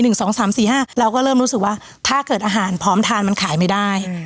เราก็เริ่มรู้สึกว่าถ้าเกิดอาหารพร้อมทานมันขายไม่ได้